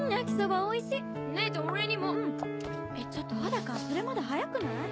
えっちょっと帆高それまだ早くない？